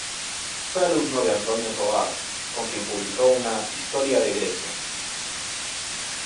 Fue alumno de Antonio Tovar, con quien publicó una "Historia de Grecia".